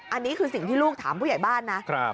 อันนี้คือสิ่งที่ลูกถามผู้ใหญ่บ้านนะ